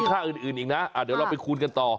ค่าอื่นอีกนะเดี๋ยวเราไปคูณกันต่อ